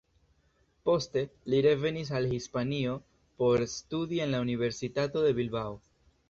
Poste, li revenis al Hispanio por studi en la universitato de Bilbao.